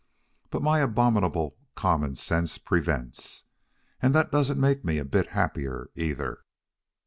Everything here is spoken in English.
But my abominable common sense prevents. And that doesn't make me a bit happier, either."